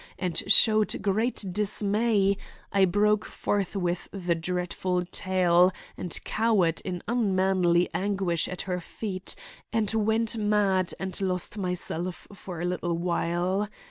and showed great dismay, I broke forth with the dreadful tale and cowered in unmanly anguish at her feet, and went mad and lost myself for a little while.